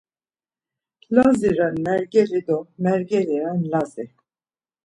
Lazi ren Mergeli do Mergeli ren Lazi.